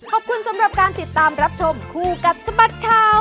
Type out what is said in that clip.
ขอบคุณสำหรับการติดตามรับชมคู่กับสบัดข่าว